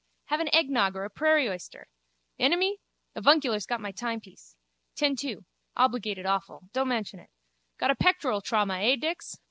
_ Have an eggnog or a prairie oyster. Enemy? Avuncular's got my timepiece. Ten to. Obligated awful. Don't mention it. Got a pectoral trauma, eh, Dix?